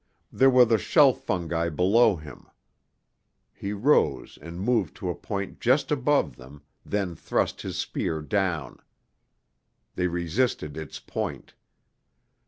There were the shelf fungi below him. He rose and moved to a point just above them, then thrust his spear down. They resisted its point.